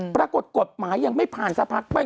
ปรากฏกฎหมายยังไม่ผ่านสักพัก